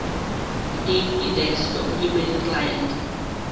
এটি একটি desktop email client.